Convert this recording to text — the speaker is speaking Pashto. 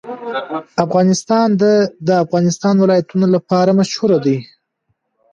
افغانستان د د افغانستان ولايتونه لپاره مشهور دی.